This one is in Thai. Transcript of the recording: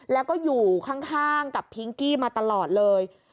แล้วก็อยู่ข้างกับพิงกี้มาตลอดเลย